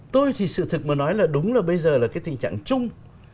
tôi thì sự thực mà nói là đúng là bây giờ là cái tình trạng chung